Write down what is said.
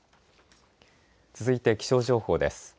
続いて気象情報です。